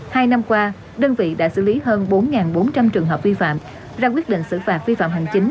hai năm qua đơn vị đã xử lý hơn bốn bốn trăm linh trường hợp vi phạm ra quyết định xử phạt vi phạm hành chính